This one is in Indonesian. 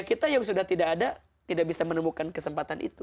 kita yang sudah tidak ada tidak bisa menemukan kesempatan itu